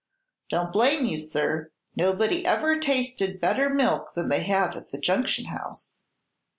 "Don't blame you, sir. Nobody ever tasted better milk than they have at the Junction House."